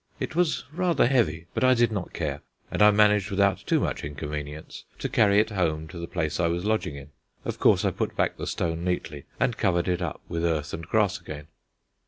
It was rather heavy, but I did not care, and I managed without too much inconvenience to carry it home to the place I was lodging in. Of course I put back the stone neatly and covered it up with earth and grass again.